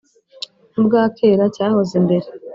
N'ubwa kera cyahoze imbere